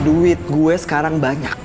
duit gue sekarang banyak